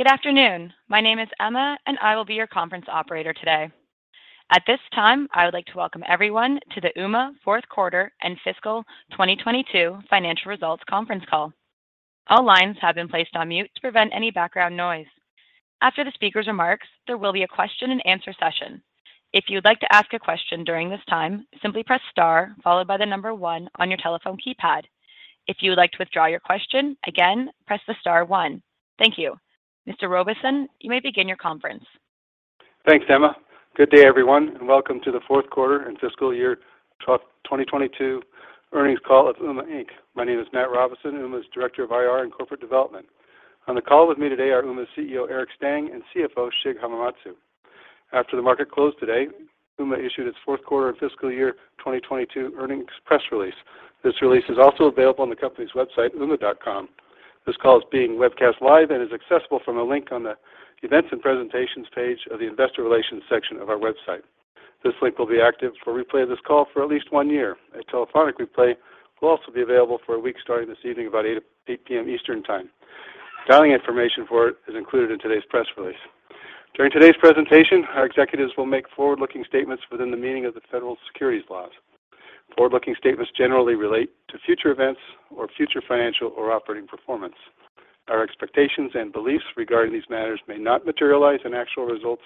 Good afternoon. My name is Emma, and I will be your conference operator today. At this time, I would like to welcome everyone to the Ooma fourth quarter and fiscal 2022 financial results conference call. All lines have been placed on mute to prevent any background noise. After the speaker's remarks, there will be a question-and-answer session. If you'd like to ask a question during this time, simply press star followed by 1 on your telephone keypad. If you would like to withdraw your question, again, press star 1. Thank you. Mr. Robison, you may begin your conference. Thanks, Emma. Good day, everyone, and welcome to the fourth quarter and fiscal year 2022 earnings call of Ooma, Inc. My name is Matt Robison, Ooma's Director of IR and Corporate Development. On the call with me today are Ooma's CEO, Eric Stang, and CFO, Shig Hamamatsu. After the market closed today, Ooma issued its fourth quarter and fiscal year 2022 earnings press release. This release is also available on the company's website, ooma.com. This call is being webcast live and is accessible from a link on the Events and Presentations page of the Investor Relations section of our website. This link will be active for replay of this call for at least one year. A telephonic replay will also be available for a week starting this evening about 8 P.M. Eastern Time. Dialing information for it is included in today's press release. During today's presentation, our executives will make forward-looking statements within the meaning of the federal securities laws. Forward-looking statements generally relate to future events or future financial or operating performance. Our expectations and beliefs regarding these matters may not materialize, and actual results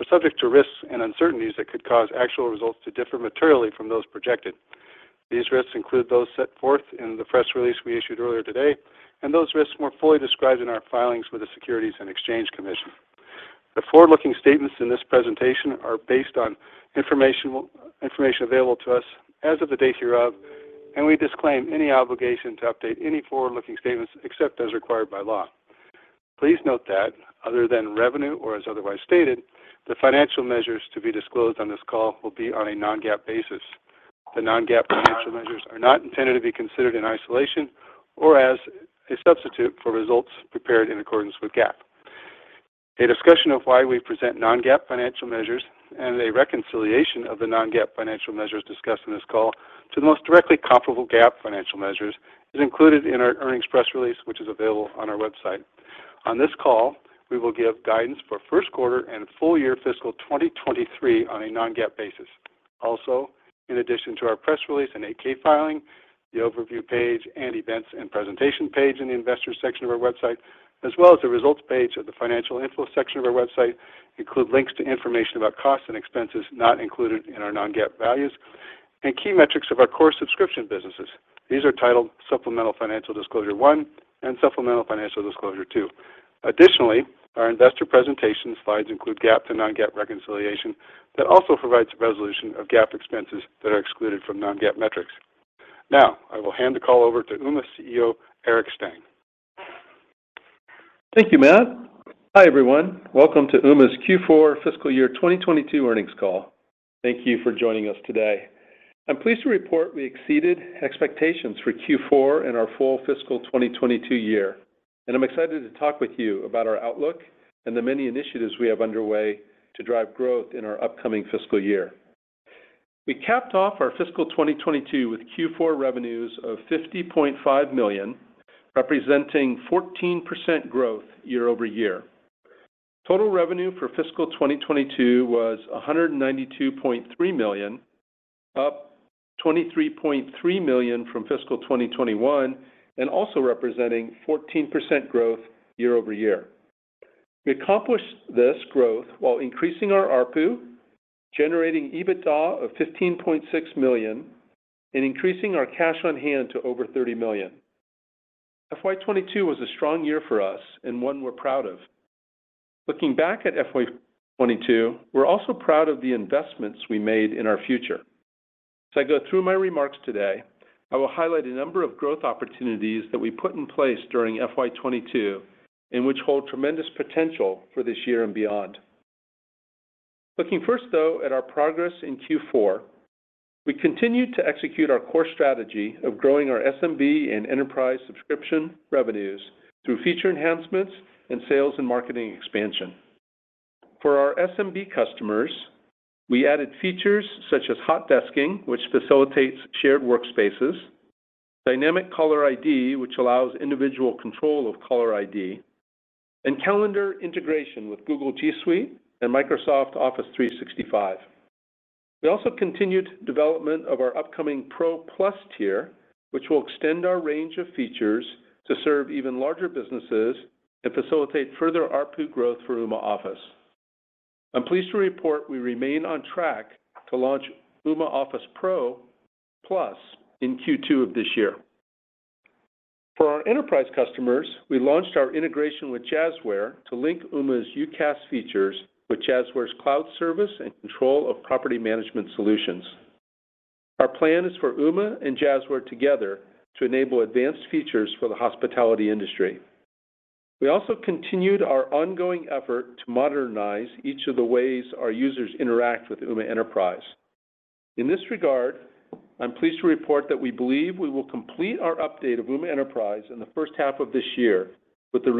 are subject to risks and uncertainties that could cause actual results to differ materially from those projected. These risks include those set forth in the press release we issued earlier today and those risks more fully described in our filings with the Securities and Exchange Commission. The forward-looking statements in this presentation are based on information available to us as of the date hereof, and we disclaim any obligation to update any forward-looking statements except as required by law. Please note that other than revenue or as otherwise stated, the financial measures to be disclosed on this call will be on a non-GAAP basis. The non-GAAP financial measures are not intended to be considered in isolation or as a substitute for results prepared in accordance with GAAP. A discussion of why we present non-GAAP financial measures and a reconciliation of the non-GAAP financial measures discussed in this call to the most directly comparable GAAP financial measures is included in our earnings press release, which is available on our website. On this call, we will give guidance for first quarter and full year fiscal 2023 on a non-GAAP basis. Also, in addition to our press release and 8-K filing, the Overview page and Events and Presentation page in the Investors section of our website, as well as the Results page of the Financial Info section of our website, include links to information about costs and expenses not included in our non-GAAP values and key metrics of our core subscription businesses. These are titled Supplemental Financial Disclosure One and Supplemental Financial Disclosure Two. Additionally, our investor presentation slides include GAAP to non-GAAP reconciliation that also provides resolution of GAAP expenses that are excluded from non-GAAP metrics. Now, I will hand the call over to Ooma CEO, Eric Stang. Thank you, Matt. Hi, everyone. Welcome to Ooma's Q4 fiscal year 2022 earnings call. Thank you for joining us today. I'm pleased to report we exceeded expectations for Q4 and our full fiscal 2022 year, and I'm excited to talk with you about our outlook and the many initiatives we have underway to drive growth in our upcoming fiscal year. We capped off our fiscal 2022 with Q4 revenues of $50.5 million, representing 14% growth year over year. Total revenue for fiscal 2022 was $192.3 million, up $23.3 million from fiscal 2021, and also representing 14% growth year over year. We accomplished this growth while increasing our ARPU, generating EBITDA of $15.6 million, and increasing our cash on hand to over $30 million. FY 2022 was a strong year for us and one we're proud of. Looking back at FY 2022, we're also proud of the investments we made in our future. As I go through my remarks today, I will highlight a number of growth opportunities that we put in place during FY 2022 and which hold tremendous potential for this year and beyond. Looking first, though, at our progress in Q4, we continued to execute our core strategy of growing our SMB and enterprise subscription revenues through feature enhancements and sales and marketing expansion. For our SMB customers, we added features such as hot desking, which facilitates shared workspaces, dynamic caller ID, which allows individual control of caller ID, and calendar integration with Google G Suite and Microsoft Office 365. We also continued development of our upcoming Pro Plus tier, which will extend our range of features to serve even larger businesses and facilitate further ARPU growth for Ooma Office. I'm pleased to report we remain on track to launch Ooma Office Pro Plus in Q2 of this year. For our enterprise customers, we launched our integration with Jazzware to link Ooma's UCaaS features with Jazzware's cloud service and control of property management solutions. Our plan is for Ooma and Jazzware together to enable advanced features for the hospitality industry. We also continued our ongoing effort to modernize each of the ways our users interact with Ooma Enterprise. In this regard, I'm pleased to report that we believe we will complete our update of Ooma Enterprise in the first half of this year with the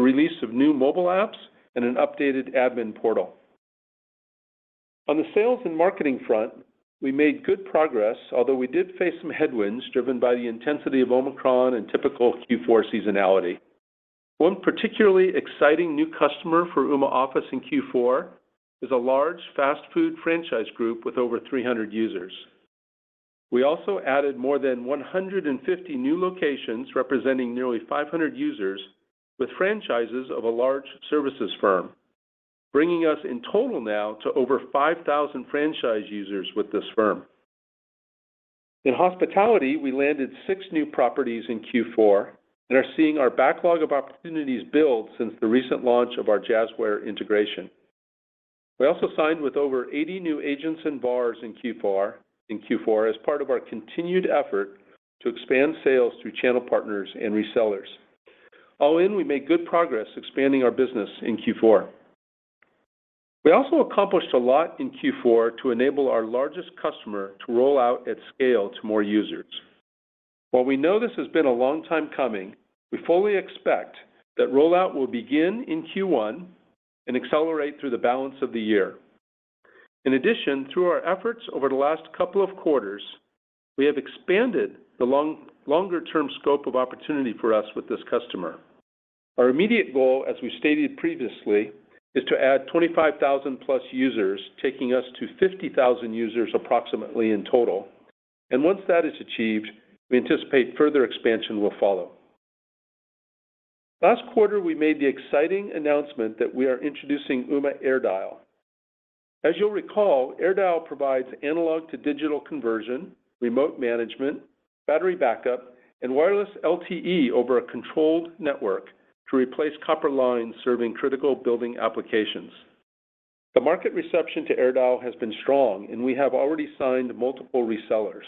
release of new mobile apps and an updated admin portal. On the sales and marketing front, we made good progress, although we did face some headwinds driven by the intensity of Omicron and typical Q4 seasonality. One particularly exciting new customer for Ooma Office in Q4 is a large fast food franchise group with over 300 users. We also added more than 150 new locations representing nearly 500 users with franchises of a large services firm, bringing us in total now to over 5,000 franchise users with this firm. In hospitality, we landed six new properties in Q4 and are seeing our backlog of opportunities build since the recent launch of our Jazzware integration. We also signed with over 80 new agents and VARs in Q4, in Q4 as part of our continued effort to expand sales through channel partners and resellers. All in, we made good progress expanding our business in Q4. We also accomplished a lot in Q4 to enable our largest customer to roll out at scale to more users. While we know this has been a long time coming, we fully expect that rollout will begin in Q1 and accelerate through the balance of the year. In addition, through our efforts over the last couple of quarters, we have expanded the longer-term scope of opportunity for us with this customer. Our immediate goal, as we stated previously, is to add 25,000+ users, taking us to 50,000 users approximately in total. Once that is achieved, we anticipate further expansion will follow. Last quarter, we made the exciting announcement that we are introducing Ooma AirDial. As you'll recall, AirDial provides analog to digital conversion, remote management, battery backup, and wireless LTE over a controlled network to replace copper lines serving critical building applications. The market reception to AirDial has been strong, and we have already signed multiple resellers.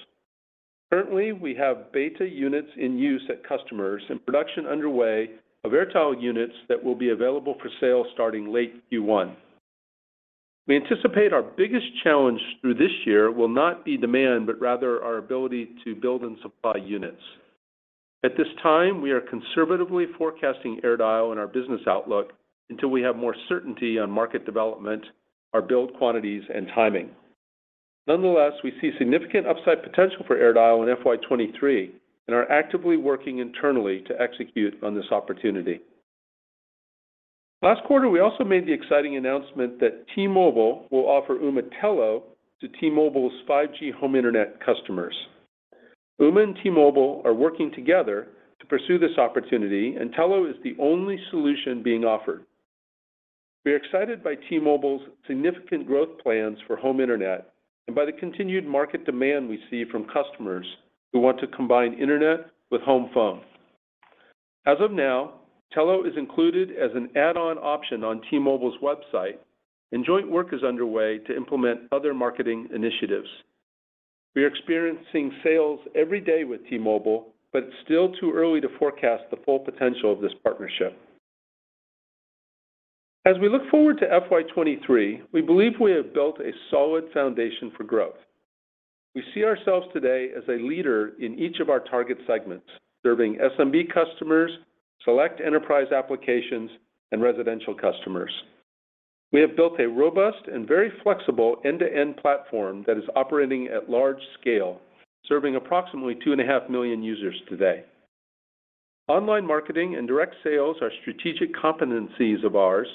Currently, we have beta units in use at customers and production underway of AirDial units that will be available for sale starting late Q1. We anticipate our biggest challenge through this year will not be demand, but rather our ability to build and supply units. At this time, we are conservatively forecasting AirDial in our business outlook until we have more certainty on market development, our build quantities, and timing. Nonetheless, we see significant upside potential for AirDial in FY 2023 and are actively working internally to execute on this opportunity. Last quarter, we also made the exciting announcement that T-Mobile will offer Ooma Telo to T-Mobile's 5G home internet customers. Ooma and T-Mobile are working together to pursue this opportunity, and Telo is the only solution being offered. We're excited by T-Mobile's significant growth plans for home internet and by the continued market demand we see from customers who want to combine internet with home phone. As of now, Telo is included as an add-on option on T-Mobile's website, and joint work is underway to implement other marketing initiatives. We are experiencing sales every day with T-Mobile, but it's still too early to forecast the full potential of this partnership. As we look forward to FY 2023, we believe we have built a solid foundation for growth. We see ourselves today as a leader in each of our target segments, serving SMB customers, select enterprise applications, and residential customers. We have built a robust and very flexible end-to-end platform that is operating at large scale, serving approximately 2.5 million users today. Online marketing and direct sales are strategic competencies of ours,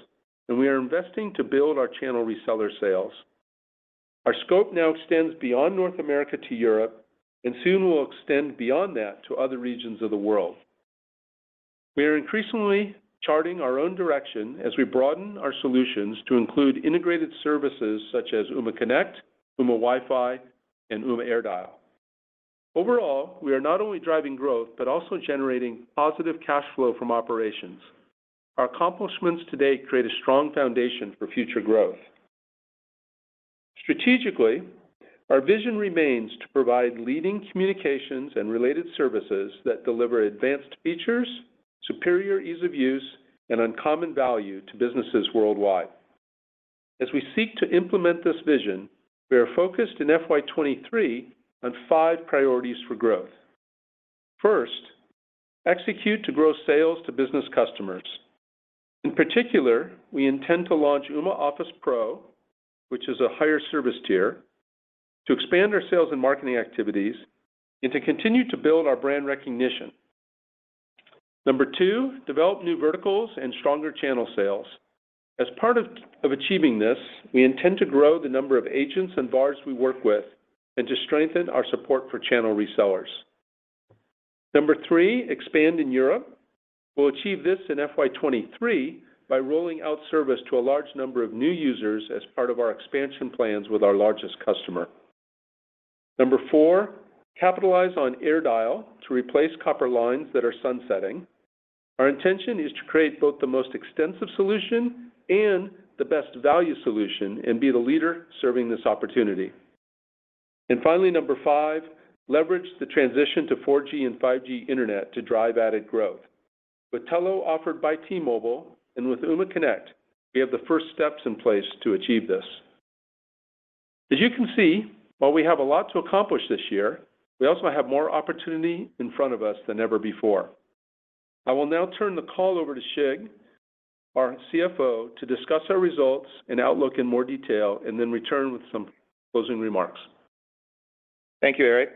and we are investing to build our channel reseller sales. Our scope now extends beyond North America to Europe, and soon will extend beyond that to other regions of the world. We are increasingly charting our own direction as we broaden our solutions to include integrated services such as Ooma Connect, Ooma Wi-Fi, and Ooma AirDial. Overall, we are not only driving growth but also generating positive cash flow from operations. Our accomplishments today create a strong foundation for future growth. Strategically, our vision remains to provide leading communications and related services that deliver advanced features, superior ease of use, and uncommon value to businesses worldwide. As we seek to implement this vision, we are focused in FY 2023 on five priorities for growth. First, execute to grow sales to business customers. In particular, we intend to launch Ooma Office Pro, which is a higher service tier, to expand our sales and marketing activities and to continue to build our brand recognition. Number 2, develop new verticals and stronger channel sales. As part of achieving this, we intend to grow the number of agents and VARs we work with and to strengthen our support for channel resellers. Number 3, expand in Europe. We'll achieve this in FY 2023 by rolling out service to a large number of new users as part of our expansion plans with our largest customer. Number 4, capitalize on AirDial to replace copper lines that are sunsetting. Our intention is to create both the most extensive solution and the best value solution and be the leader serving this opportunity. Finally, number 5, leverage the transition to 4G and 5G internet to drive added growth. With Telo offered by T-Mobile and with Ooma Connect, we have the first steps in place to achieve this. As you can see, while we have a lot to accomplish this year, we also have more opportunity in front of us than ever before. I will now turn the call over to Shig, our CFO, to discuss our results and outlook in more detail, and then return with some closing remarks. Thank you, Eric,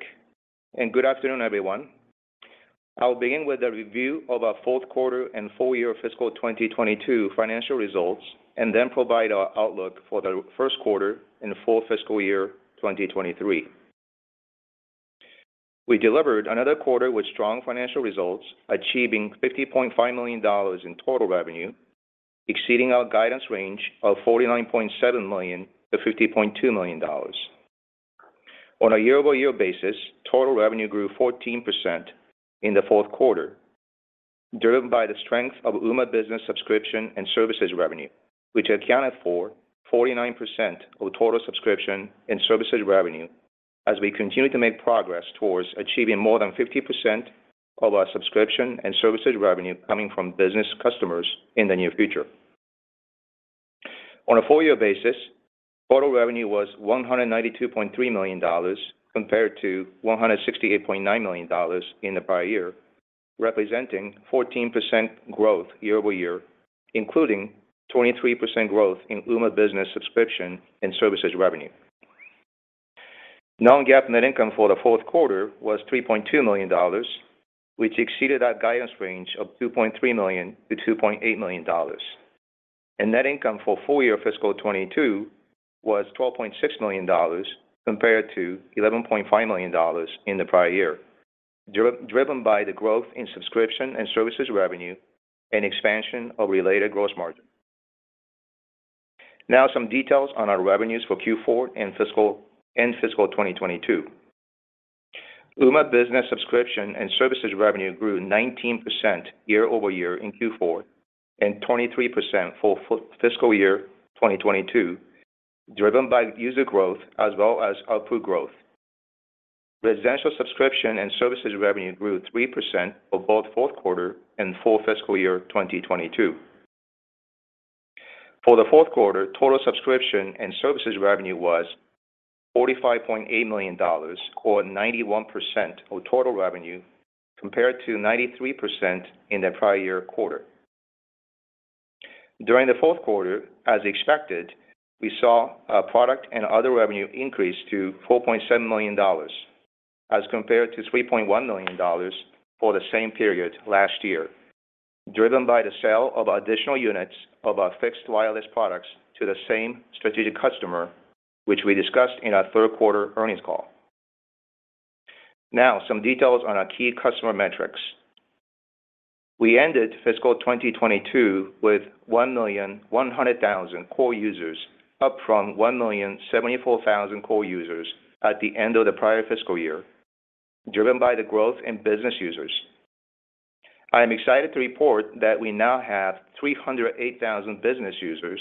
and good afternoon, everyone. I will begin with a review of our fourth quarter and full year fiscal 2022 financial results, and then provide our outlook for the first quarter and full fiscal year 2023. We delivered another quarter with strong financial results, achieving $50.5 million in total revenue, exceeding our guidance range of $49.7 million-$50.2 million. On a year-over-year basis, total revenue grew 14% in the fourth quarter, driven by the strength of Ooma Business subscription and services revenue, which accounted for 49% of total subscription and services revenue as we continue to make progress towards achieving more than 50% of our subscription and services revenue coming from business customers in the near future. On a full year basis, total revenue was $192.3 million compared to $168.9 million in the prior year, representing 14% growth year-over-year, including 23% growth in Ooma Business subscription and services revenue. Non-GAAP net income for the fourth quarter was $3.2 million, which exceeded our guidance range of $2.3 million-$2.8 million. Net income for full year fiscal 2022 was $12.6 million compared to $11.5 million in the prior year, driven by the growth in subscription and services revenue and expansion of related gross margin. Now some details on our revenues for Q4 and fiscal 2022. Ooma Business subscription and services revenue grew 19% year-over-year in Q4, and 23% for fiscal year 2022, driven by user growth as well as ARPU growth. Residential subscription and services revenue grew 3% for both fourth quarter and full fiscal year 2022. For the fourth quarter, total subscription and services revenue was $45.8 million, or 91% of total revenue, compared to 93% in the prior year quarter. During the fourth quarter, as expected, we saw our product and other revenue increase to $4.7 million as compared to $3.1 million for the same period last year, driven by the sale of additional units of our fixed wireless products to the same strategic customer which we discussed in our third quarter earnings call. Now some details on our key customer metrics. We ended fiscal 2022 with 1.1 million core users, up from 1.074 million core users at the end of the prior fiscal year, driven by the growth in business users. I am excited to report that we now have 308,000 business users,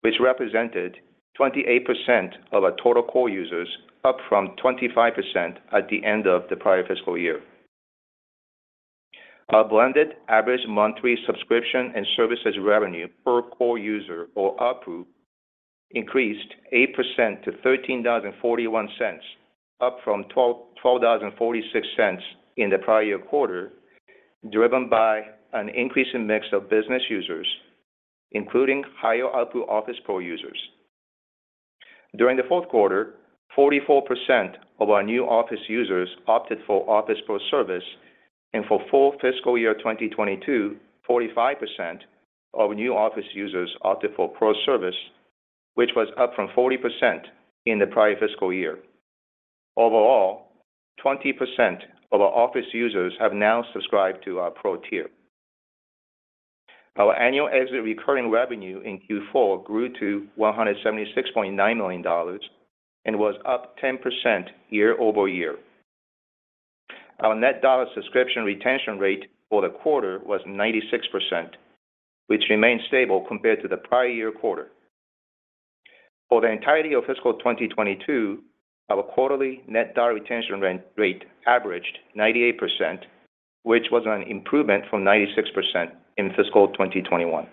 which represented 28% of our total core users, up from 25% at the end of the prior fiscal year. Our blended average monthly subscription and services revenue per core user or ARPU increased 8% to $13.41, up from $12.46 in the prior year quarter, driven by an increase in mix of business users, including higher ARPU Office Pro users. During the fourth quarter, 44% of our new Office users opted for Office Pro service, and for full fiscal year 2022, 45% of new Office users opted for Pro service, which was up from 40% in the prior fiscal year. Overall, 20% of our Office users have now subscribed to our Pro tier. Our annualized exit recurring revenue in Q4 grew to $176.9 million and was up 10% year-over-year. Our net dollar subscription retention rate for the quarter was 96%, which remains stable compared to the prior year quarter. For the entirety of fiscal 2022, our quarterly net dollar retention run-rate averaged 98%, which was an improvement from 96% in fiscal 2021.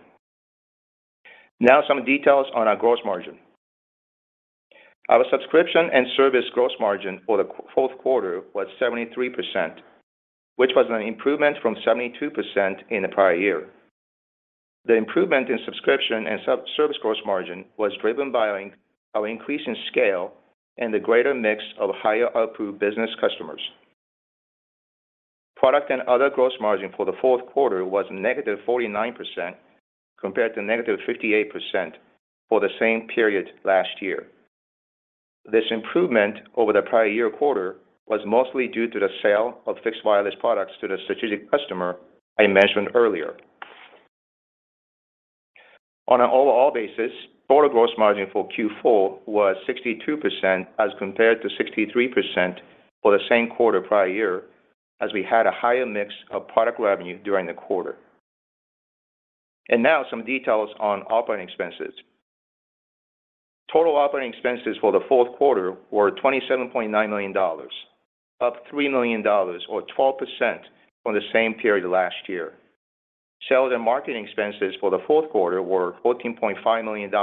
Now some details on our gross margin. Our subscription and service gross margin for the fourth quarter was 73%, which was an improvement from 72% in the prior year. The improvement in subscription and service gross margin was driven by our increase in scale and the greater mix of higher ARPU business customers. Product and other gross margin for the fourth quarter was -49% compared to -58% for the same period last year. This improvement over the prior year quarter was mostly due to the sale of fixed wireless products to the strategic customer I mentioned earlier. On an overall basis, total gross margin for Q4 was 62% as compared to 63% for the same quarter prior year, as we had a higher mix of product revenue during the quarter. Now some details on operating expenses. Total operating expenses for the fourth quarter were $27.9 million, up $3 million or 12% from the same period last year. Sales and marketing expenses for the fourth quarter were $14.5 million,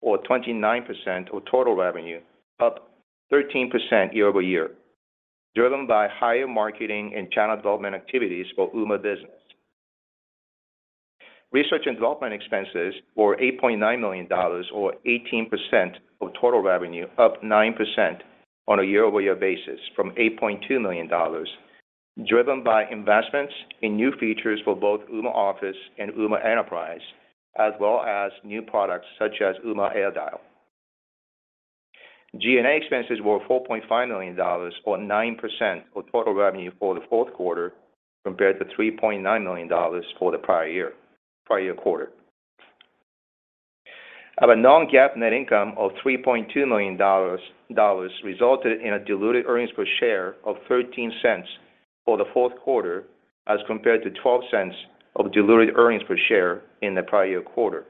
or 29% of total revenue, up 13% year-over-year, driven by higher marketing and channel development activities for Ooma business. Research and development expenses were $8.9 million, or 18% of total revenue, up 9% on a year-over-year basis from $8.2 million, driven by investments in new features for both Ooma Office and Ooma Enterprise, as well as new products such as Ooma AirDial. G&A expenses were $4.5 million or 9% of total revenue for the fourth quarter compared to $3.9 million for the prior year, prior year quarter. Our non-GAAP net income of $3.2 million resulted in a diluted earnings per share of $0.13 for the fourth quarter as compared to $0.12 of diluted earnings per share in the prior year quarter.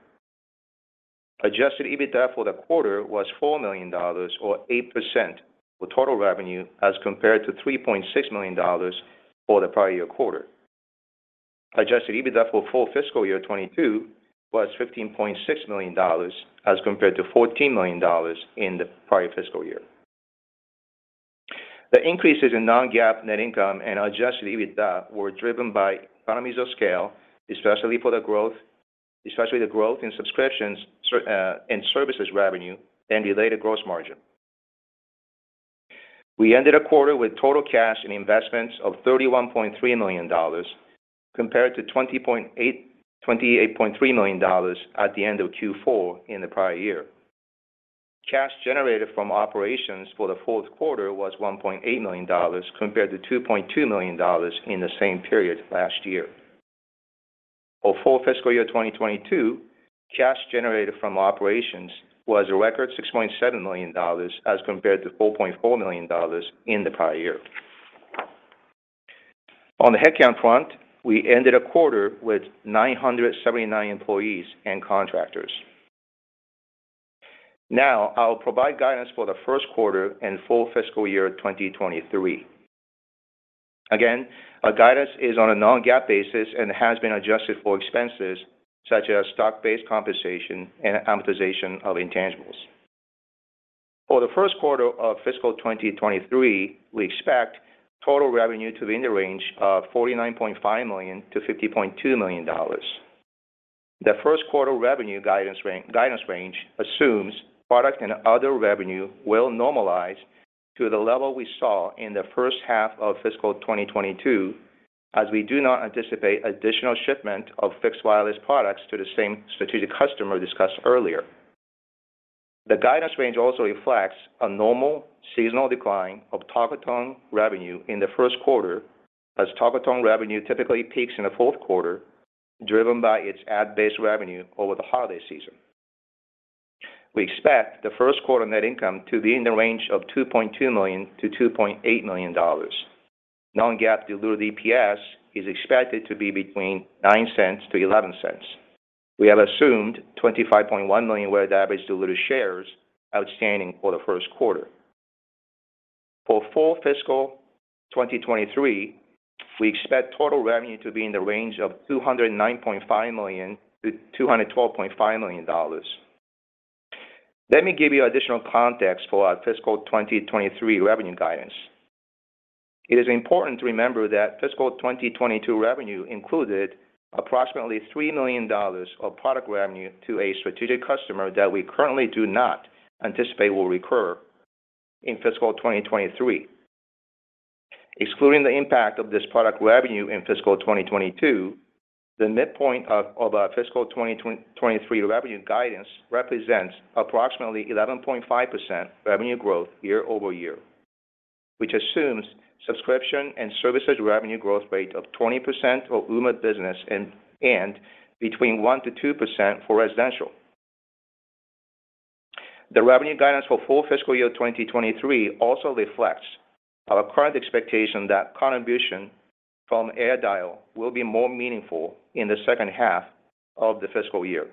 Adjusted EBITDA for the quarter was $4 million or 8% of total revenue as compared to $3.6 million for the prior year quarter. Adjusted EBITDA for full fiscal year 2022 was $15.6 million as compared to $14 million in the prior fiscal year. The increases in non-GAAP net income and adjusted EBITDA were driven by economies of scale, especially the growth in services revenue and related gross margin. We ended the quarter with total cash and investments of $31.3 million compared to $28.3 million at the end of Q4 in the prior year. Cash generated from operations for the fourth quarter was $1.8 million compared to $2.2 million in the same period last year. For full fiscal year 2022, cash generated from operations was a record $6.7 million as compared to $4.4 million in the prior year. On the headcount front, we ended the quarter with 979 employees and contractors. Now, I'll provide guidance for the first quarter and full fiscal year 2023. Again, our guidance is on a non-GAAP basis and has been adjusted for expenses such as stock-based compensation and amortization of intangibles. For the first quarter of fiscal 2023, we expect total revenue to be in the range of $49.5 million-$50.2 million. The first quarter revenue guidance range assumes product and other revenue will normalize to the level we saw in the first half of fiscal 2022, as we do not anticipate additional shipment of fixed wireless products to the same strategic customer discussed earlier. The guidance range also reflects a normal seasonal decline of Talkatone revenue in the first quarter, as Talkatone revenue typically peaks in the fourth quarter, driven by its ad-based revenue over the holiday season. We expect the first quarter net income to be in the range of $2.2 million-$2.8 million. non-GAAP diluted EPS is expected to be between $0.09-$0.11. We have assumed 25.1 million weighted average diluted shares outstanding for the first quarter. For full fiscal 2023, we expect total revenue to be in the range of $209.5 million-$212.5 million. Let me give you additional context for our fiscal 2023 revenue guidance. It is important to remember that fiscal 2022 revenue included approximately $3 million of product revenue to a strategic customer that we currently do not anticipate will recur in fiscal 2023. Excluding the impact of this product revenue in fiscal 2022, the midpoint of our fiscal 2023 revenue guidance represents approximately 11.5% revenue growth year-over-year, which assumes subscription and services revenue growth rate of 20% of Ooma business and between 1%-2% for residential. The revenue guidance for full fiscal year 2023 also reflects our current expectation that contribution from AirDial will be more meaningful in the second half of the fiscal year.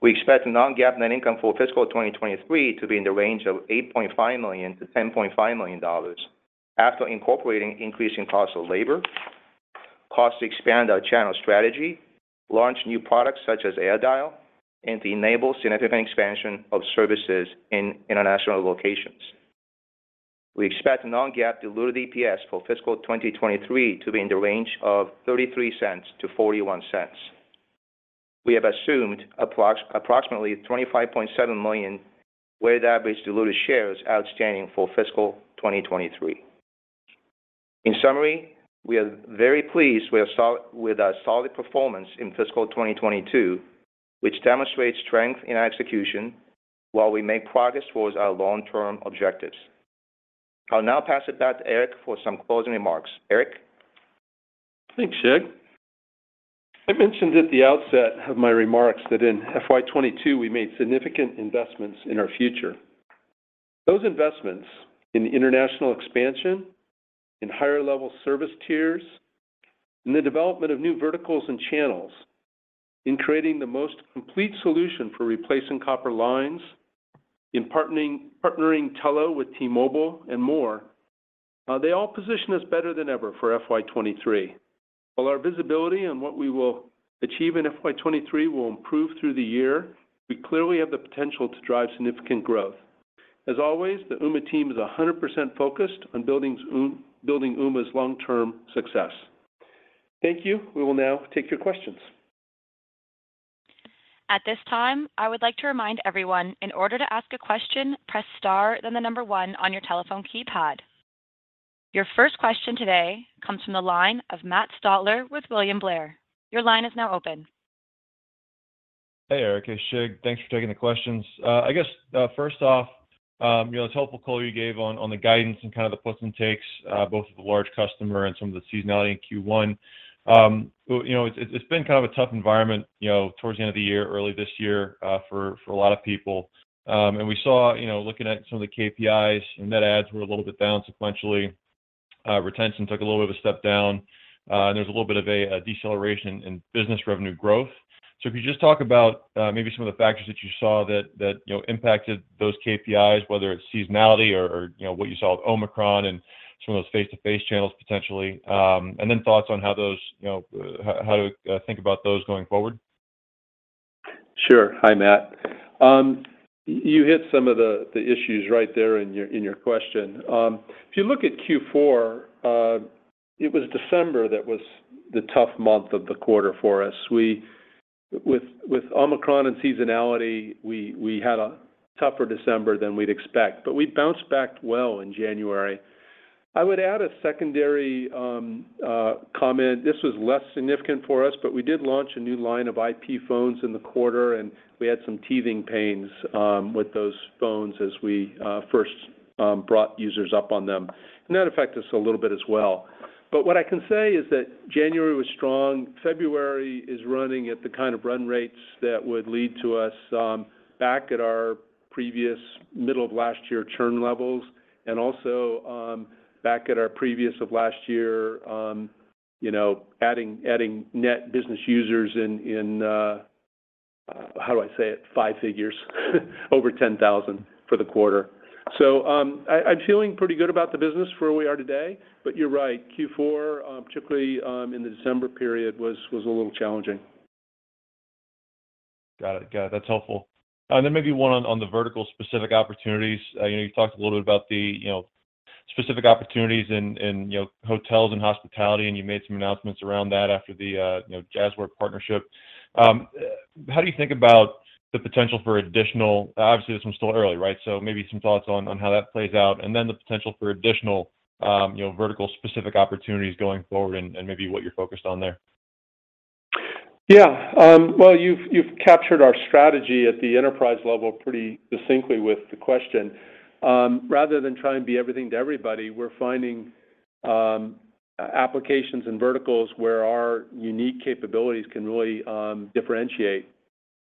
We expect non-GAAP net income for fiscal 2023 to be in the range of $8.5 million-$10.5 million after incorporating increasing cost of labor, cost to expand our channel strategy, launch new products such as AirDial, and to enable significant expansion of services in international locations. We expect non-GAAP diluted EPS for fiscal 2023 to be in the range of $0.33-$0.41. We have assumed approximately 25.7 million weighted average diluted shares outstanding for fiscal 2023. In summary, we are very pleased with our solid performance in fiscal 2022, which demonstrates strength in our execution while we make progress towards our long-term objectives. I'll now pass it back to Eric for some closing remarks. Eric? Thanks, Shig. I mentioned at the outset of my remarks that in FY 2022, we made significant investments in our future. Those investments in international expansion, in higher-level service tiers, in the development of new verticals and channels in creating the most complete solution for replacing copper lines, in partnering Telo with T-Mobile and more, they all position us better than ever for FY 2023. While our visibility on what we will achieve in FY 2023 will improve through the year, we clearly have the potential to drive significant growth. As always, the Ooma team is 100% focused on building Ooma's long-term success. Thank you. We will now take your questions. At this time, I would like to remind everyone, in order to ask a question, press star, then the number one on your telephone keypad. Your first question today comes from the line of Matt Stotler with William Blair. Your line is now open. Hey, Eric and Shig. Thanks for taking the questions. I guess first off, you know, it's a helpful call you gave on the guidance and kind of the puts and takes both with the large customer and some of the seasonality in Q1. You know, it's been kind of a tough environment you know towards the end of the year, early this year for a lot of people. We saw you know looking at some of the KPIs, net adds were a little bit down sequentially. Retention took a little bit of a step down and there's a little bit of a deceleration in business revenue growth. If you just talk about maybe some of the factors that you saw that you know impacted those KPIs, whether it's seasonality or you know what you saw with Omicron and some of those face-to-face channels potentially, and then thoughts on how those you know how to think about those going forward? Sure. Hi, Matt. You hit some of the issues right there in your question. If you look at Q4, it was December that was the tough month of the quarter for us. With Omicron and seasonality, we had a tougher December than we'd expect, but we bounced back well in January. I would add a secondary comment. This was less significant for us, but we did launch a new line of IP phones in the quarter, and we had some teething pains with those phones as we first brought users up on them. That affected us a little bit as well. What I can say is that January was strong. February is running at the kind of run rates that would lead to us back at our previous middle of last year churn levels and also back at our previous of last year, you know, adding net business users in five figures over 10,000 for the quarter. I'm feeling pretty good about the business for where we are today, but you're right, Q4, particularly in the December period, was a little challenging. Got it. That's helpful. Then maybe one on the vertical-specific opportunities. You know, you talked a little bit about the you know, specific opportunities in you know, hotels and hospitality, and you made some announcements around that after the you know, Jazzware partnership. How do you think about the potential for additional, obviously, this one's still early, right? Maybe some thoughts on how that plays out, and then the potential for additional you know, vertical-specific opportunities going forward and maybe what you're focused on there. Yeah. Well, you've captured our strategy at the enterprise level pretty distinctly with the question. Rather than try and be everything to everybody, we're finding applications and verticals where our unique capabilities can really differentiate.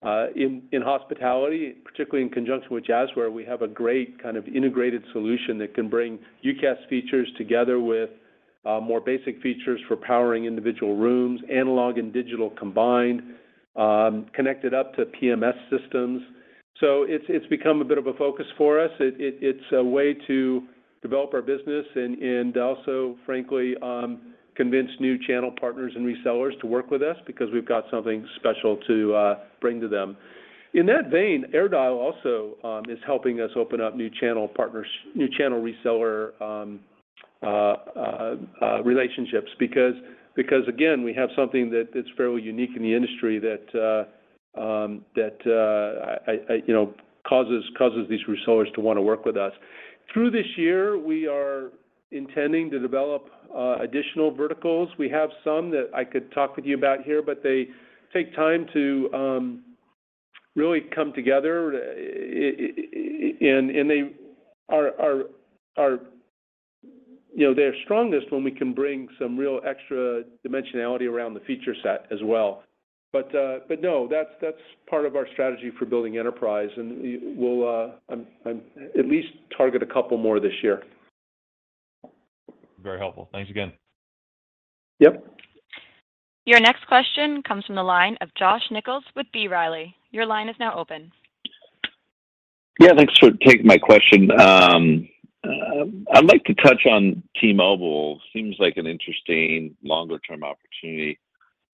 In hospitality, particularly in conjunction with Jazzware, we have a great kind of integrated solution that can bring UCaaS features together with more basic features for powering individual rooms, analog and digital combined, connected up to PMS systems. It's become a bit of a focus for us. It's a way to develop our business and also frankly convince new channel partners and resellers to work with us because we've got something special to bring to them. In that vein, AirDial also is helping us open up new channel partners, new channel reseller relationships because again, we have something that's fairly unique in the industry that you know causes these resellers to wanna work with us. Through this year, we are intending to develop additional verticals. We have some that I could talk with you about here, but they take time to really come together. You know, they're strongest when we can bring some real extra dimensionality around the feature set as well. No, that's part of our strategy for building enterprise, and we'll at least target a couple more this year. Very helpful. Thanks again. Yep. Your next question comes from the line of Josh Nichols with B. Riley. Your line is now open. Yeah. Thanks for taking my question. I'd like to touch on T-Mobile. Seems like an interesting longer term opportunity.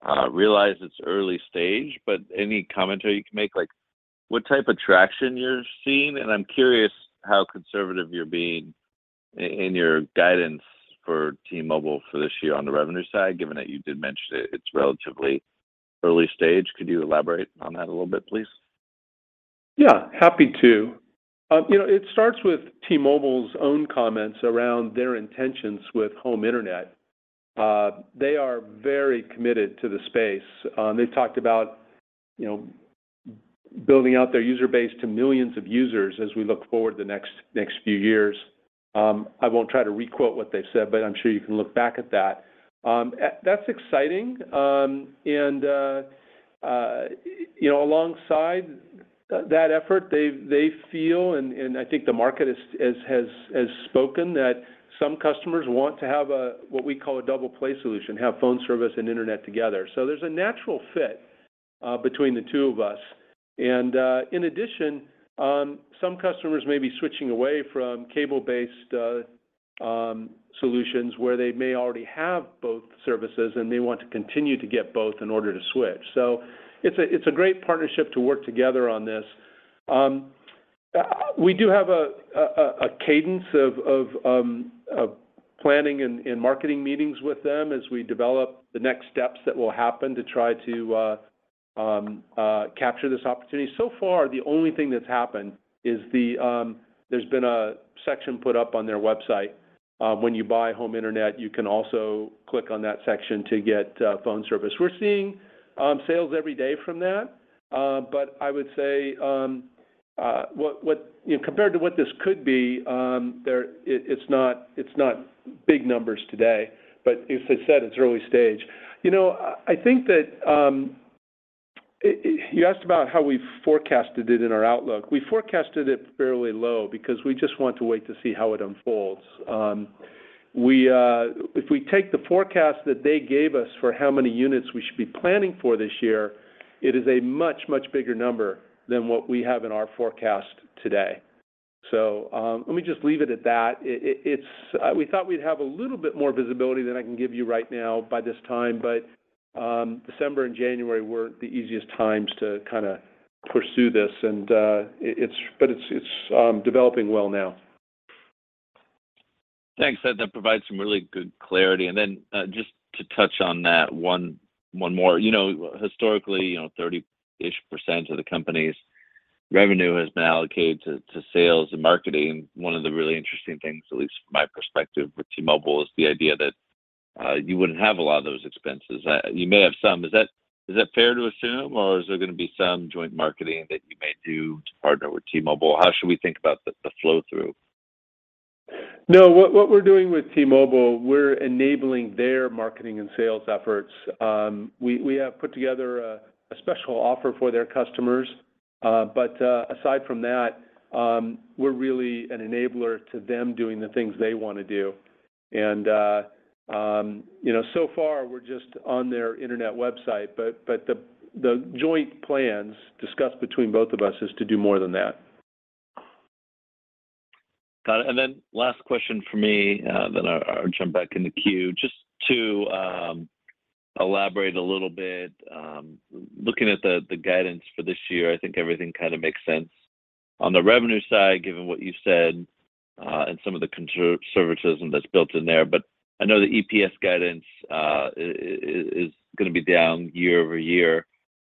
Uh-huh. I realize it's early stage, but any commentary you can make, like what type of traction you're seeing? I'm curious how conservative you're being in your guidance for T-Mobile for this year on the revenue side, given that you did mention that it's relatively early stage. Could you elaborate on that a little bit, please? Yeah, happy to. You know, it starts with T-Mobile's own comments around their intentions with home internet. They are very committed to the space. They've talked about, you know, building out their user base to millions of users as we look forward to the next few years. I won't try to re-quote what they've said, but I'm sure you can look back at that. That's exciting. You know, alongside that effort, they feel and I think the market has spoken that some customers want to have a what we call a double play solution, have phone service and internet together. So there's a natural fit between the two of us. In addition, some customers may be switching away from cable-based solutions where they may already have both services, and they want to continue to get both in order to switch. It's a great partnership to work together on this. We do have a cadence of planning and marketing meetings with them as we develop the next steps that will happen to try to capture this opportunity. So far, the only thing that's happened is there's been a section put up on their website, when you buy home internet, you can also click on that section to get phone service. We're seeing sales every day from that. I would say compared to what this could be, it is not big numbers today. As I said, it's early stage. You know, I think that you asked about how we forecasted it in our outlook. We forecasted it fairly low because we just want to wait to see how it unfolds. If we take the forecast that they gave us for how many units we should be planning for this year, it is a much bigger number than what we have in our forecast today. Let me just leave it at that. We thought we'd have a little bit more visibility than I can give you right now by this time. December and January weren't the easiest times to kind of pursue this. It's developing well now. Thanks. That provides some really good clarity. Just to touch on that one more. You know, historically, you know, 30-ish% of the company's revenue has been allocated to sales and marketing. One of the really interesting things, at least from my perspective with T-Mobile, is the idea that you wouldn't have a lot of those expenses. You may have some. Is that fair to assume, or is there gonna be some joint marketing that you may do to partner with T-Mobile? How should we think about the flow-through? No. What we're doing with T-Mobile, we're enabling their marketing and sales efforts. We have put together a special offer for their customers. Aside from that, we're really an enabler to them doing the things they wanna do. You know, so far we're just on their internet website, but the joint plans discussed between both of us is to do more than that. Got it. Then last question from me, then I'll jump back in the queue. Just to elaborate a little bit, looking at the guidance for this year, I think everything kind of makes sense on the revenue side, given what you said, and some of the conservatism that's built in there. I know the EPS guidance is gonna be down year over year.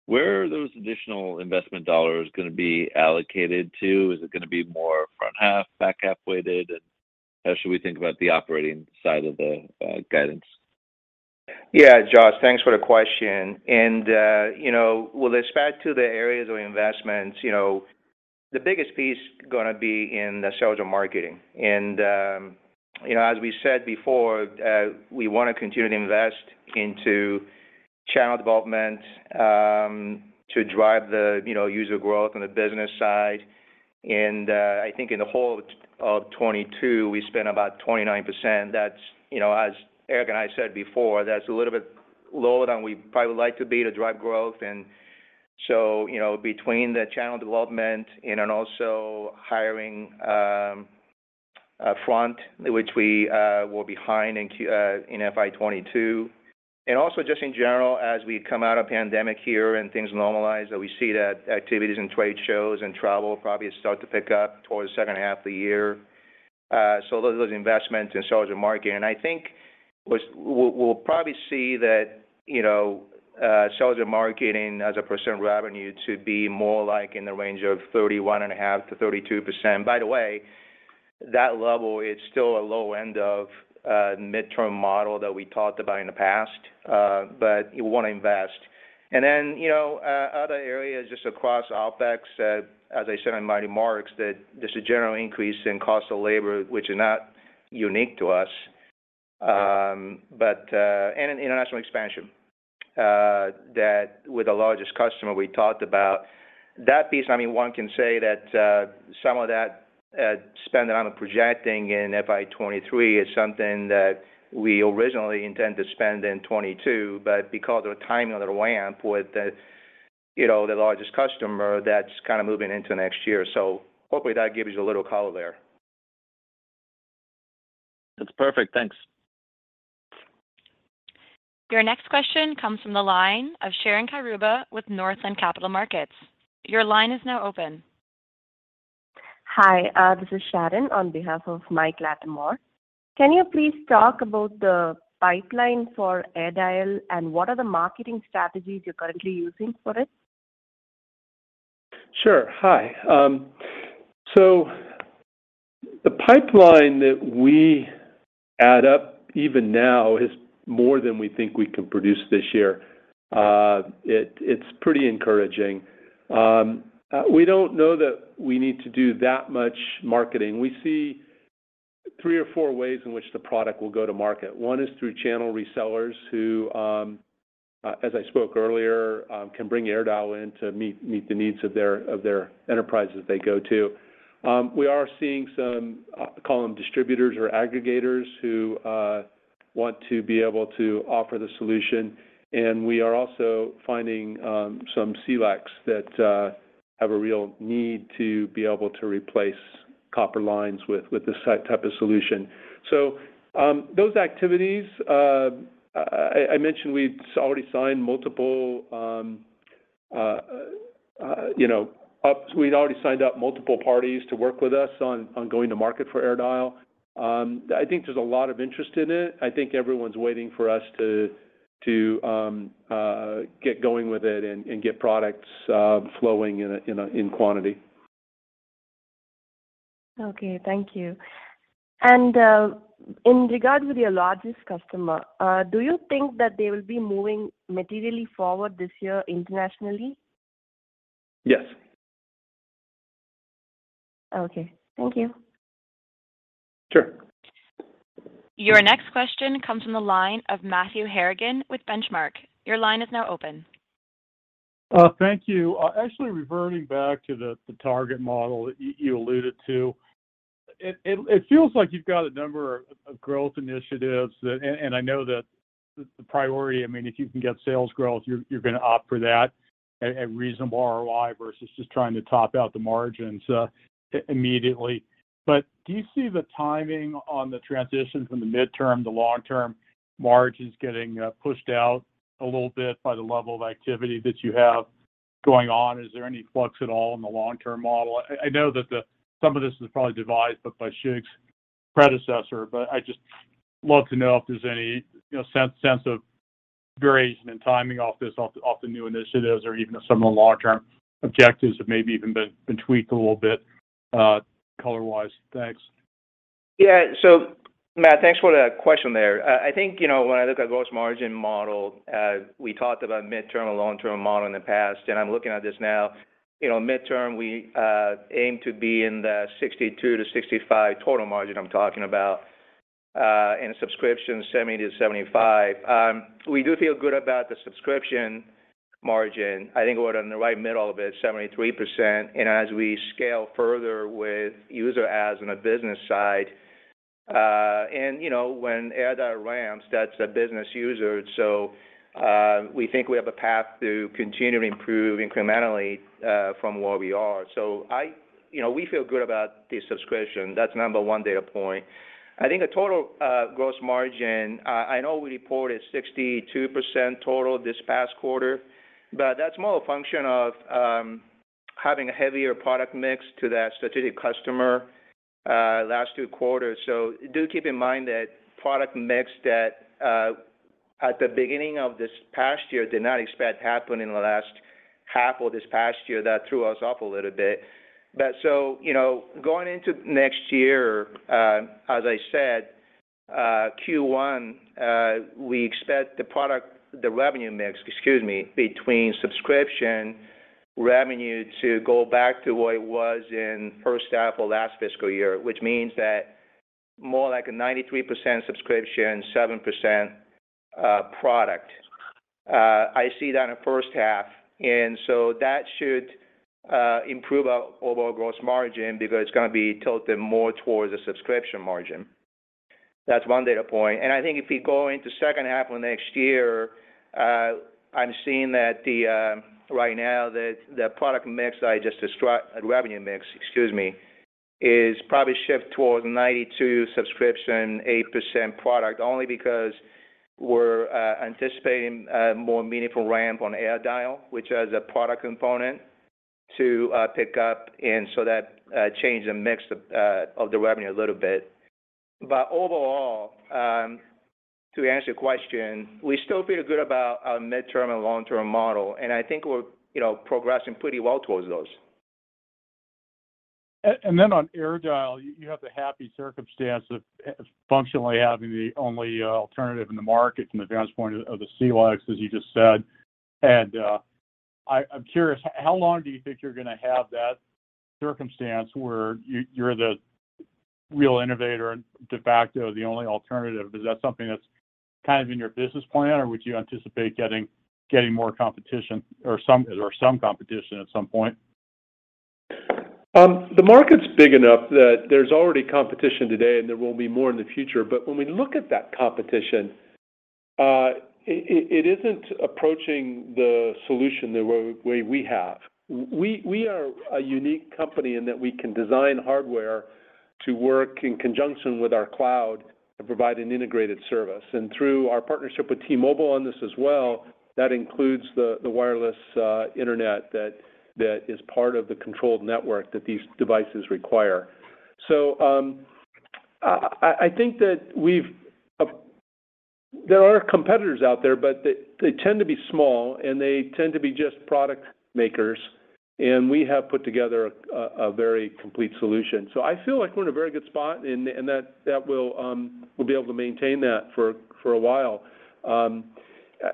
Where are those additional investment dollars gonna be allocated to? Is it gonna be more front half, back half weighted? How should we think about the operating side of the guidance? Yeah. Josh, thanks for the question. With respect to the areas of investments, you know, the biggest piece gonna be in the sales and marketing. You know, as we said before, we want to continue to invest into channel development, to drive the, you know, user growth on the business side. I think in the whole of 2022, we spent about 29%. That's, you know, as Eric and I said before, that's a little bit lower than we probably would like to be to drive growth. You know, between the channel development and then also hiring front, which we will be behind in FY 2022. Also just in general, as we come out of pandemic here and things normalize, that we see that activities and trade shows and travel probably start to pick up towards the second half of the year. Those investments in sales and marketing. I think what we'll probably see that, you know, sales and marketing as a percent of revenue to be more like in the range of 31.5%-32%. By the way, that level is still a low end of midterm model that we talked about in the past, but we want to invest. You know, other areas just across OpEx, as I said in my remarks, that there's a general increase in cost of labor, which is not unique to us, but and international expansion, that with the largest customer we talked about. That piece, I mean, one can say that, some of that spend that I'm projecting in FY 2023 is something that we originally intend to spend in 2022. Because of the timing of the ramp with the, you know, the largest customer, that's kind of moving into next year. Hopefully that gives you a little color there. That's perfect. Thanks. Your next question comes from the line of Sharon Kiruba with Northland Capital Markets. Your line is now open. Hi, this is Sharon on behalf of Mike Latimore. Can you please talk about the pipeline for AirDial, and what are the marketing strategies you're currently using for it? Sure. Hi. So the pipeline that we add up even now is more than we think we can produce this year. It's pretty encouraging. We don't know that we need to do that much marketing. We see three or four ways in which the product will go to market. One is through channel resellers who, as I spoke earlier, can bring AirDial in to meet the needs of their enterprises they go to. We are seeing some, I call them distributors or aggregators who want to be able to offer the solution. We are also finding some CLECs that have a real need to be able to replace copper lines with this type of solution. Those activities I mentioned, we've already signed up multiple parties to work with us on going to market for AirDial. I think there's a lot of interest in it. I think everyone's waiting for us to get going with it and get products flowing in quantity. Okay. Thank you. In regard with your largest customer, do you think that they will be moving materially forward this year internationally? Yes. Okay. Thank you. Sure. Your next question comes from the line of Matthew Harrigan with Benchmark. Your line is now open. Thank you. Actually reverting back to the target model that you alluded to. It feels like you've got a number of growth initiatives. I know that the priority, I mean, if you can get sales growth, you're gonna opt for that at reasonable ROI versus just trying to top out the margins immediately. Do you see the timing on the transition from the midterm to long-term margins getting pushed out a little bit by the level of activity that you have going on? Is there any flux at all in the long-term model? I know some of this is probably devised by Shig's predecessor, but I'd just love to know if there's any, you know, sense of variation in timing of this or of the new initiatives or even some of the long-term objectives that maybe even been tweaked a little bit, color-wise. Thanks. Matt, thanks for the question there. I think, you know, when I look at gross margin model, we talked about midterm and long-term model in the past, and I'm looking at this now. You know, midterm, we aim to be in the 62%-65% total margin, I'm talking about, in subscription, 70%-75%. We do feel good about the subscription margin. I think we're in the right in the middle of it, 73%. As we scale further with user adds on the business side, and you know, when AirDial ramps, that's a business user. We think we have a path to continue to improve incrementally, from where we are. You know, we feel good about the subscription. That's number one data point. I think the total gross margin. I know we reported 62% total this past quarter, but that's more a function of having a heavier product mix to that strategic customer last two quarters. Do keep in mind that product mix that at the beginning of this past year we did not expect to happen in the last half of this past year. That threw us off a little bit. You know, going into next year, as I said, Q1 we expect the revenue mix, excuse me, between subscription revenue to go back to what it was in first half of last fiscal year, which means that more like a 93% subscription, 7% product. I see that in first half, and so that should improve our overall gross margin because it's gonna be tilted more towards the subscription margin. That's one data point. I think if we go into second half of next year, I'm seeing that right now the product mix I just described, revenue mix, excuse me, is probably shifting towards 92% subscription, 8% product only because we're anticipating a more meaningful ramp on AirDial, which has a product component to pick up. That changed the mix of the revenue a little bit. Overall, to answer your question, we still feel good about our midterm and long-term model, and I think we're, you know, progressing pretty well towards those. Then on AirDial, you have the happy circumstance of functionally having the only alternative in the market from the vantage point of the CLECs, as you just said. I'm curious, how long do you think you're gonna have that circumstance where you're the real innovator and de facto the only alternative? Is that something that's kind of in your business plan or would you anticipate getting more competition or some competition at some point? The market's big enough that there's already competition today, and there will be more in the future. When we look at that competition, it isn't approaching the solution the way we have. We are a unique company in that we can design hardware to work in conjunction with our cloud to provide an integrated service. Through our partnership with T-Mobile on this as well, that includes the wireless internet that is part of the controlled network that these devices require. I think that there are competitors out there, but they tend to be small, and they tend to be just product makers, and we have put together a very complete solution. I feel like we're in a very good spot and that we'll be able to maintain that for a while.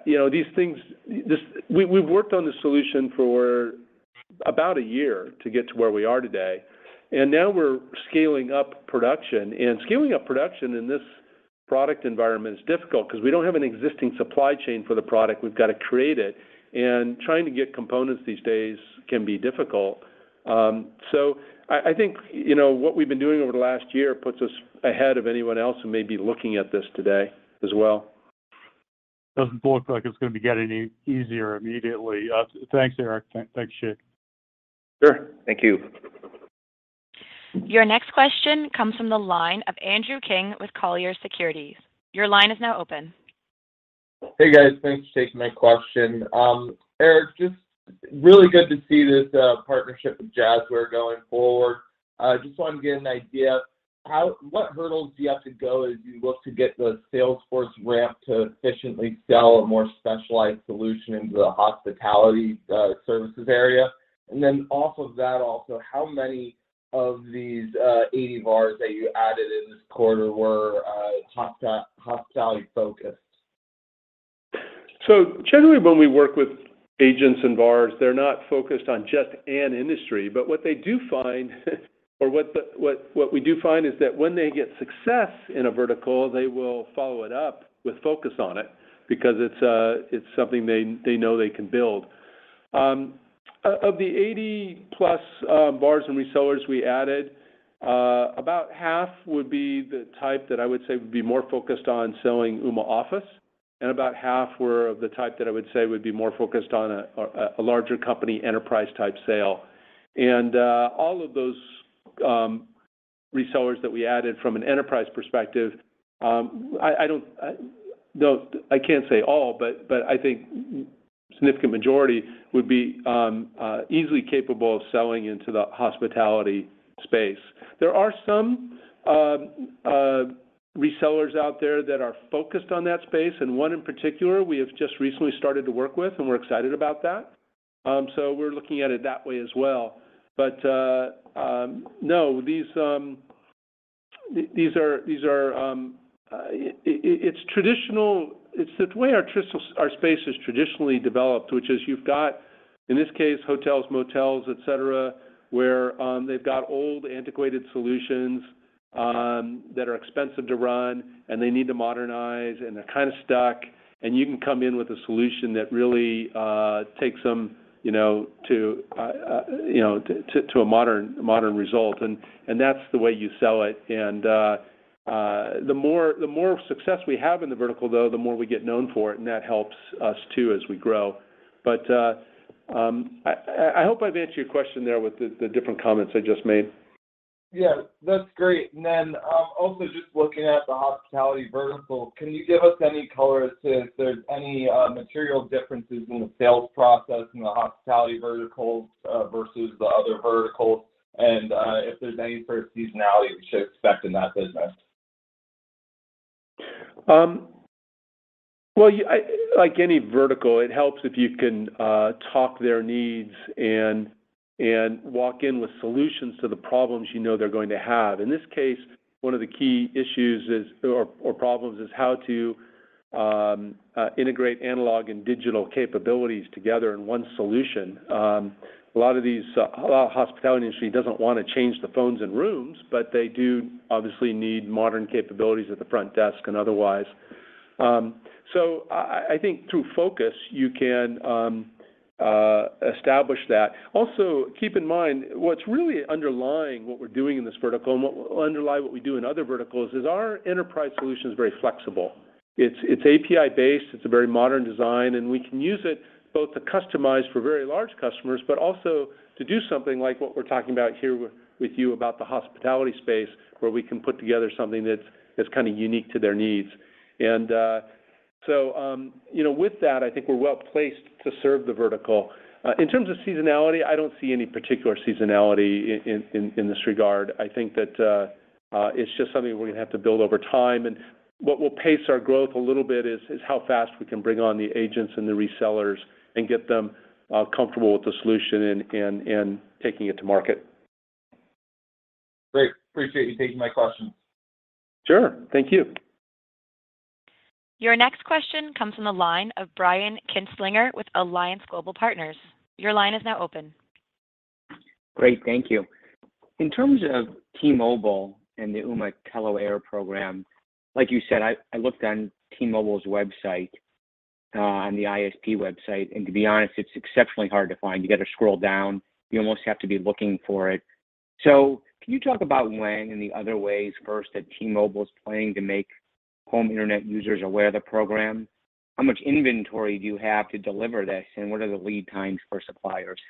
You know, we've worked on this solution for about a year to get to where we are today, and now we're scaling up production. Scaling up production in this product environment is difficult because we don't have an existing supply chain for the product. We've got to create it, and trying to get components these days can be difficult. I think, you know, what we've been doing over the last year puts us ahead of anyone else who may be looking at this today as well. Doesn't look like it's gonna be getting any easier immediately. Thanks, Eric. Thanks, Shig. Sure. Thank you. Your next question comes from the line of Andrew King with Colliers Securities. Your line is now open. Hey, guys. Thanks for taking my question. Eric, just really good to see this partnership with Jazzware going forward. Just want to get an idea. What hurdles do you have to go as you look to get the sales force ramp to efficiently sell a more specialized solution into the hospitality services area? And then off of that also, how many of these 80 bars that you added in this quarter were hospitality focused? Generally, when we work with agents and VARs, they're not focused on just an industry. What they do find is that when they get success in a vertical, they will follow it up with focus on it because it's something they know they can build. Of the 80 plus VARs and resellers we added, about half would be the type that I would say would be more focused on selling Ooma Office, and about half were of the type that I would say would be more focused on a larger company enterprise type sale. All of those resellers that we added from an enterprise perspective, I don't... I can't say all, but I think significant majority would be easily capable of selling into the hospitality space. There are some resellers out there that are focused on that space, and one in particular we have just recently started to work with, and we're excited about that. We're looking at it that way as well. No, these are traditional. It's the way our space is traditionally developed, which is you've got, in this case, hotels, motels, et cetera, where they've got old, antiquated solutions that are expensive to run, and they need to modernize, and they're kind of stuck. You can come in with a solution that really takes them, you know, to a modern result, and that's the way you sell it. The more success we have in the vertical, though, the more we get known for it, and that helps us too as we grow. I hope I've answered your question there with the different comments I just made. Yeah. That's great. Also just looking at the hospitality vertical, can you give us any color as to if there's any material differences in the sales process in the hospitality verticals versus the other verticals and if there's any sort of seasonality we should expect in that business? Like any vertical, it helps if you can talk their needs and walk in with solutions to the problems you know they're going to have. In this case, one of the key issues or problems is how to integrate analog and digital capabilities together in one solution. A lot of hospitality industry doesn't want to change the phones in rooms, but they do obviously need modern capabilities at the front desk and otherwise. I think through focus you can establish that. Also, keep in mind, what's really underlying what we're doing in this vertical and what underlie what we do in other verticals is our enterprise solution is very flexible. It's API based. It's a very modern design, and we can use it both to customize for very large customers but also to do something like what we're talking about here with you about the hospitality space, where we can put together something that's kind of unique to their needs. You know, with that, I think we're well-placed to serve the vertical. In terms of seasonality, I don't see any particular seasonality in this regard. I think that it's just something we're gonna have to build over time. What will pace our growth a little bit is how fast we can bring on the agents and the resellers and get them comfortable with the solution and taking it to market. Great. I appreciate you taking my question. Sure. Thank you. Your next question comes from the line of Brian Kinstlinger with Alliance Global Partners. Your line is now open. Great. Thank you. In terms of T-Mobile and the Ooma Telo Air program, like you said, I looked on T-Mobile's website, on the ISP website, and to be honest, it's exceptionally hard to find. You gotta scroll down. You almost have to be looking for it. Can you talk about when and the other ways first that T-Mobile is planning to make home internet users aware of the program? How much inventory do you have to deliver this, and what are the lead times for suppliers?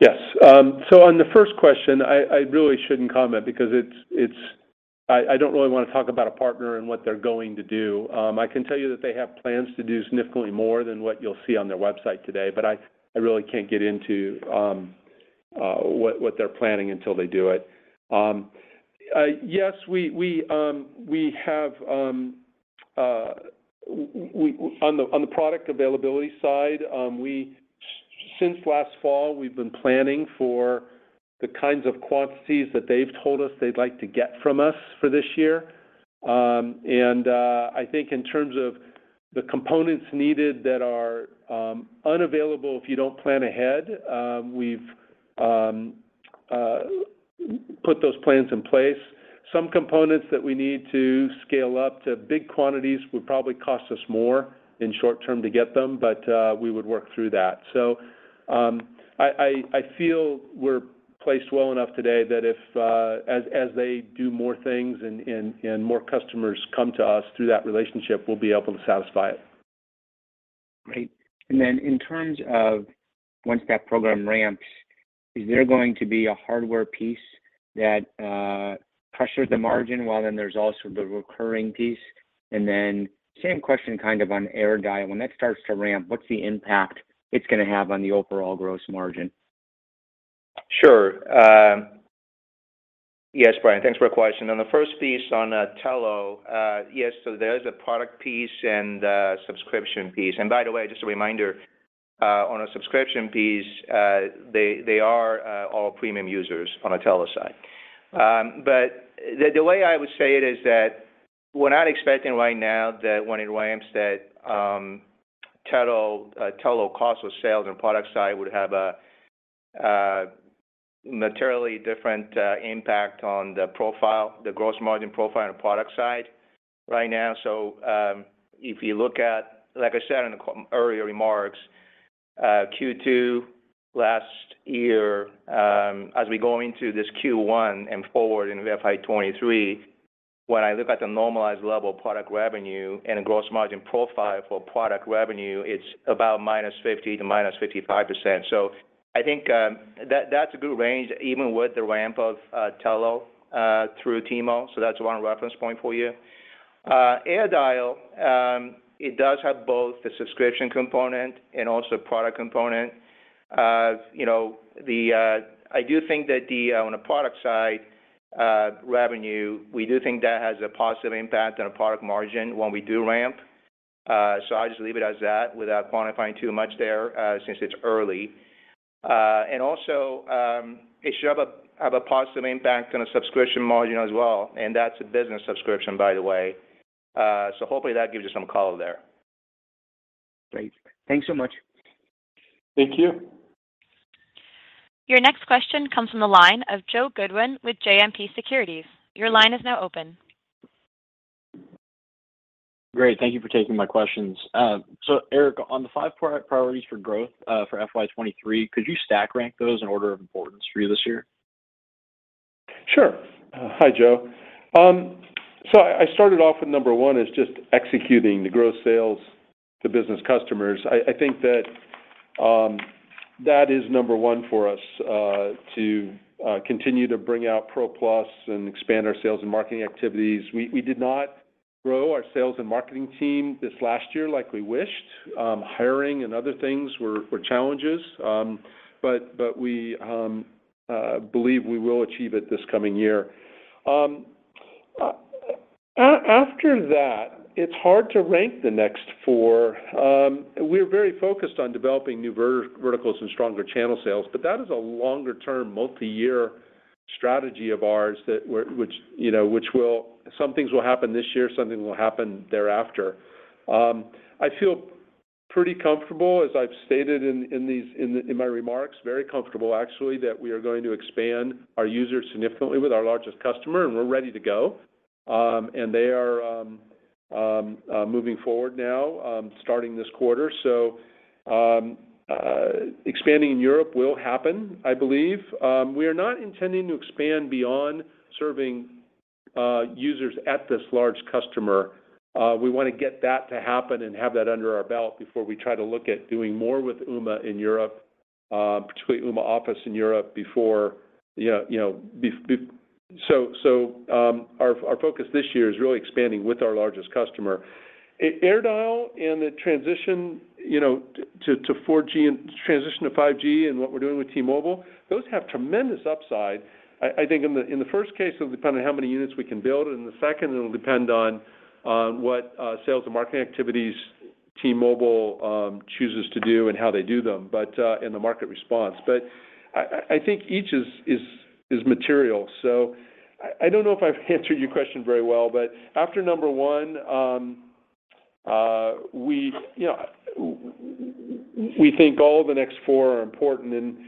Yes. On the first question, I really shouldn't comment because I don't really want to talk about a partner and what they're going to do. I can tell you that they have plans to do significantly more than what you'll see on their website today, but I really can't get into what they're planning until they do it. Yes, on the product availability side, since last fall, we've been planning for the kinds of quantities that they've told us they'd like to get from us for this year. I think in terms of the components needed that are unavailable if you don't plan ahead, we've put those plans in place. Some components that we need to scale up to big quantities would probably cost us more in short term to get them, but we would work through that. I feel we're placed well enough today that if, as they do more things and more customers come to us through that relationship, we'll be able to satisfy it. Great. In terms of once that program ramps, is there going to be a hardware piece that pressures the margin while then there's also the recurring piece? Same question kind of on AirDial. When that starts to ramp, what's the impact it's gonna have on the overall gross margin? Sure. Yes, Brian, thanks for question. On the first piece on Telo, yes, there is a product piece and a subscription piece. By the way, just a reminder, on a subscription piece, they are all premium users on a Telo side. The way I would say it is that we're not expecting right now that when it ramps that Telo cost of sales and product side would have a materially different impact on the profile, the gross margin profile and the product side right now. If you look at, like I said in the earlier remarks, Q2 last year, as we go into this Q1 and forward into FY 2023, when I look at the normalized level of product revenue and gross margin profile for product revenue, it's about -50% to -55%. I think that's a good range, even with the ramp of Telo through T-Mobile. That's one reference point for you. AirDial, it does have both the subscription component and also product component. You know, I do think that on the product side, revenue, we do think that has a positive impact on a product margin when we do ramp. I'll just leave it as that without quantifying too much there, since it's early. also, it should have a positive impact on the subscription margin as well, and that's a business subscription, by the way. Hopefully that gives you some color there. Great. Thanks so much. Thank you. Your next question comes from the line of Joe Goodwin with JMP Securities. Your line is now open. Great. Thank you for taking my questions. Eric, on the five priorities for growth, for FY 2023, could you stack rank those in order of importance for you this year? Sure. Hi, Joe. So I started off with number one as just executing the growth sales to business customers. I think that is number one for us to continue to bring out Pro Plus and expand our sales and marketing activities. We did not grow our sales and marketing team this last year like we wished. Hiring and other things were challenges. We believe we will achieve it this coming year. After that, it's hard to rank the next four. We're very focused on developing new verticals and stronger channel sales, but that is a longer-term, multi-year strategy of ours which, you know, will. Some things will happen this year, some things will happen thereafter. I feel pretty comfortable, as I've stated in these remarks, very comfortable actually, that we are going to expand our users significantly with our largest customer, and we're ready to go. They are moving forward now, starting this quarter. Expanding in Europe will happen, I believe. We are not intending to expand beyond serving users at this large customer. We wanna get that to happen and have that under our belt before we try to look at doing more with Ooma in Europe, particularly Ooma Office in Europe before. Our focus this year is really expanding with our largest customer. AirDial and the transition, you know, to 4G and transition to 5G and what we're doing with T-Mobile, those have tremendous upside. I think in the first case, it'll depend on how many units we can build, and in the second, it'll depend on what sales and marketing activities T-Mobile chooses to do and how they do them, but, and the market response. I think each is material. I don't know if I've answered your question very well, but after number one, you know, we think all the next four are important and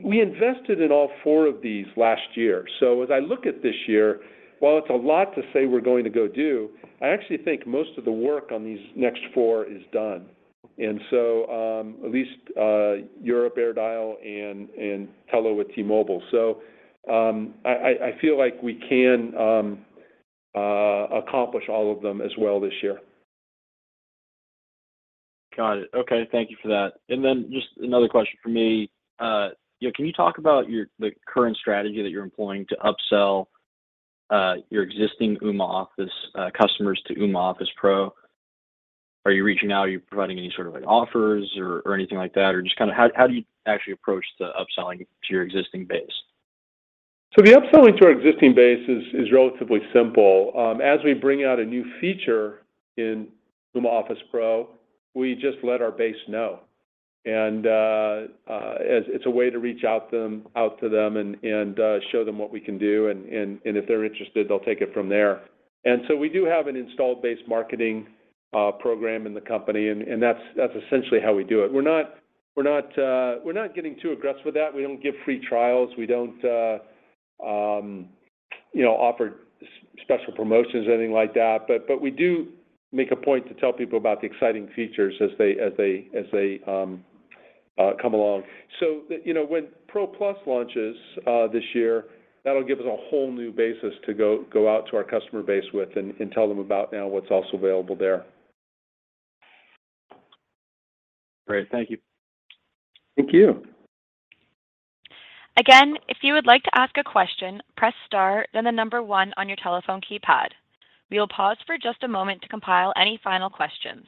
we invested in all four of these last year. As I look at this year, while it's a lot to say we're going to go do, I actually think most of the work on these next four is done. At least Europe AirDial and Telo with T-Mobile. I feel like we can accomplish all of them as well this year. Got it. Okay. Thank you for that. Just another question from me. You know, can you talk about your, the current strategy that you're employing to upsell your existing Ooma Office customers to Ooma Office Pro? Are you reaching out? Are you providing any sort of like offers or anything like that? Or just kinda how do you actually approach the upselling to your existing base? The upselling to our existing base is relatively simple. As we bring out a new feature in Ooma Office Pro, we just let our base know. As it's a way to reach out to them and show them what we can do. If they're interested, they'll take it from there. We do have an installed base marketing program in the company, and that's essentially how we do it. We're not getting too aggressive with that. We don't give free trials. We don't offer special promotions or anything like that. We do make a point to tell people about the exciting features as they come along. You know, when Pro Plus launches this year, that'll give us a whole new basis to go out to our customer base with and tell them about now what's also available there. Great. Thank you. Thank you. Again, if you would like to ask a question, press star, then the number one on your telephone keypad. We will pause for just a moment to compile any final questions.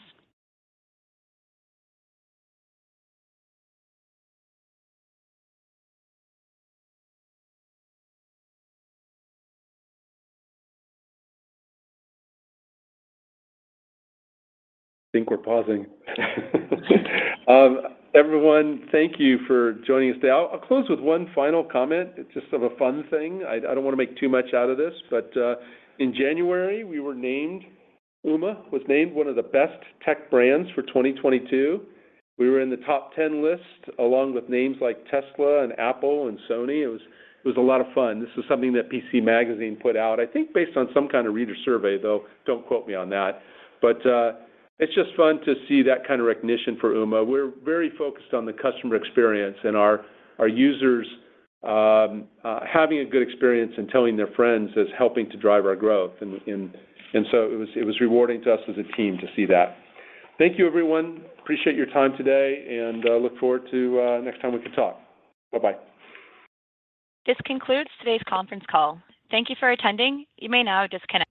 I think we're pausing. Everyone, thank you for joining us today. I'll close with one final comment. It's just a fun thing. I don't wanna make too much out of this, but in January, Ooma was named one of the best tech brands for 2022. We were in the top 10 list, along with names like Tesla and Apple and Sony. It was a lot of fun. This was something that PCMag put out, I think based on some kinda reader survey, though don't quote me on that. It's just fun to see that kind of recognition for Ooma. We're very focused on the customer experience, and our users having a good experience and telling their friends is helping to drive our growth. It was rewarding to us as a team to see that. Thank you, everyone. I appreciate your time today, and look forward to next time we can talk. Bye-bye. This concludes today's conference call. Thank you for attending. You may now disconnect.